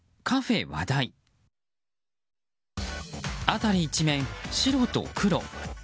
辺り一面、白と黒。